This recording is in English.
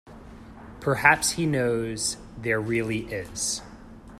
Perhaps he knows there really is.